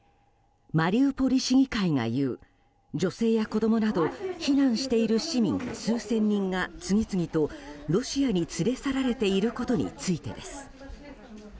マリウポリ市議会が言う女性や子供など避難している市民数千人が次々とロシアに連れ去られていることについてです。